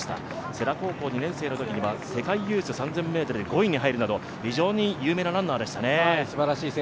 世羅高校２年生のときには世界ユース３０００ｍ５位に入るなど、非常に有名なランナーでしたね。